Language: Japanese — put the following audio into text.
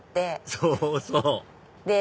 そうそう！